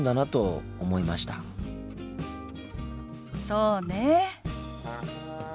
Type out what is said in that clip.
そうねえ。